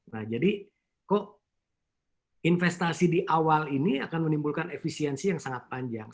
nah jadi kok investasi di awal ini akan menimbulkan efisiensi yang sangat panjang